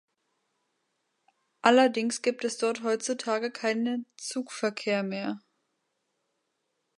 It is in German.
Allerdings gibt es dort heutzutage keine Zugverkehr mehr.